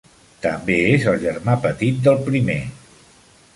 També és el germà petit del primer.